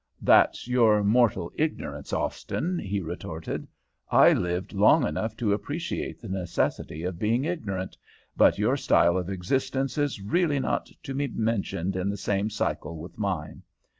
"'That's your mortal ignorance, Austin,' he retorted. 'I lived long enough to appreciate the necessity of being ignorant, but your style of existence is really not to be mentioned in the same cycle with mine.